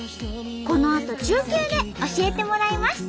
このあと中継で教えてもらいます。